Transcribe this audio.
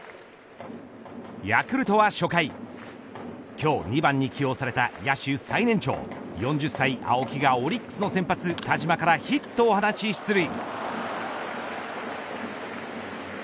ヤクルトは初回今日２番に起用された野手最年長４０歳青木がオリックスの先発、田嶋からヒットを放ち出塁。